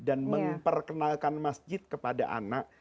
dan memperkenalkan masjid kepada anak